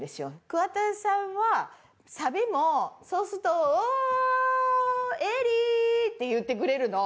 桑田さんはサビもそうすると「オー！エリー！」って言ってくれるの。